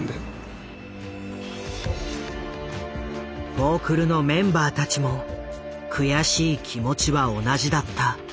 フォークルのメンバーたちも悔しい気持ちは同じだった。